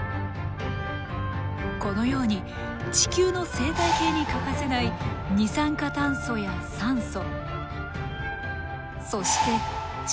このように地球の生態系に欠かせない二酸化炭素や酸素そして窒素。